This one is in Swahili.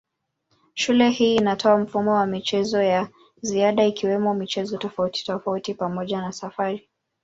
Shule hii inatoa mfumo wa michezo ya ziada ikiwemo michezo tofautitofauti pamoja na safari.